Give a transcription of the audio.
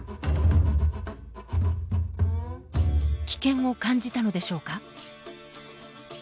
危険を感じたのでしょうか。